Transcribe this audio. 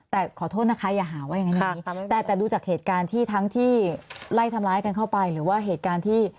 แต่ขอโทษนะคะอย่าหาว่าอย่างนั้นอย่างนี้แต่แต่ดูจากเหตุการณ์ที่ทั้งที่ไล่ทำร้ายกันเข้าไปหรือว่าเหตุการณ์ที่